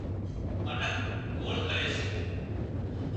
منک گوۯ ڪري سي